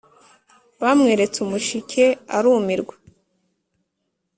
bamweretse umushike arumirwa,